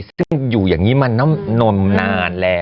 ซึ่งอยู่อย่างนี้มานมนานแล้ว